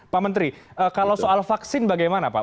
pak menteri kalau soal vaksin bagaimana pak